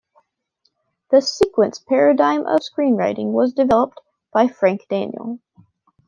The sequence paradigm of screenwriting was developed by Frank Daniel.